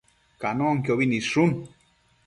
Canonquiobi nidshun